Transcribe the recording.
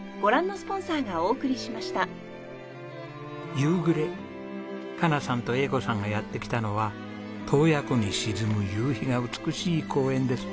夕暮れ加奈さんと英子さんがやって来たのは洞爺湖に沈む夕日が美しい公園です。